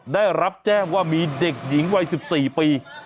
ได้รับแจ้งว่ามีเด็กหญิงวัย๑๔ปี